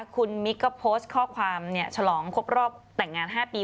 คุณมิกก็โพสต์ข้อความฉลองครบรอบแต่งงาน๕ปี